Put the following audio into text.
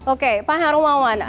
oke pak harun mawan